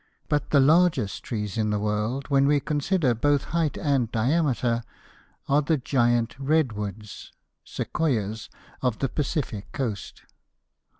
But the largest trees in the world, when we consider both height and diameter, are the giant "redwoods" (Sequoias) of the Pacific coast.